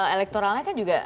elektoralnya kan juga